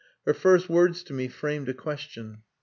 Her first words to me framed a question.